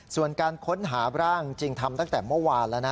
ส่วนการค้นหาร่างจริงทำตั้งแต่เมื่อวานแล้วนะ